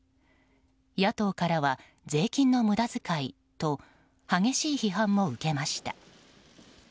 野党からは税金の無駄遣いと激しい批判も受けました。